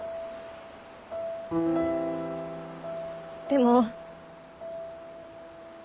でも。